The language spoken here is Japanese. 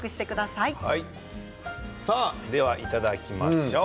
さあ、ではいただきましょう。